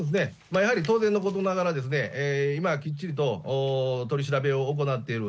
やはり当然のことながらですね、今、きっちりと取り調べを行っている。